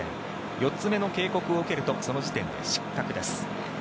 ４つ目の警告を受けるとその時点で失格です。